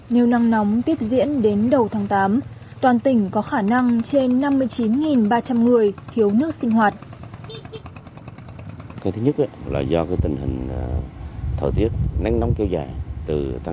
nếu nắng nóng tiếp diễn đến đầu tháng tám toàn tỉnh có khả năng trên năm mươi chín ba trăm linh người thiếu nước sinh hoạt